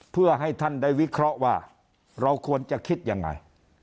เพื่อให้ท่านได้วิเคราะห์ว่าเราควรจะคิดยังไง